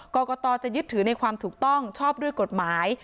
กรกตจะยึดถือในความถูกต้องชอบด้วยกฎหมาย